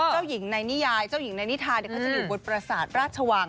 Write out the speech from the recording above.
เจ้าหญิงในนิยายเจ้าหญิงในนิทาเขาจะอยู่บนประสาทราชวัง